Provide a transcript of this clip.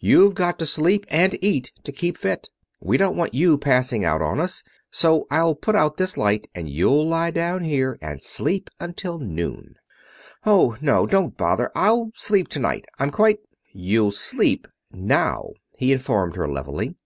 You've got to sleep and eat to keep fit. We don't want you passing out on us, so I'll put out this light, and you'll lie down here and sleep until noon." "Oh, no, don't bother. I'll sleep tonight. I'm quite...." "You'll sleep now," he informed her, levelly.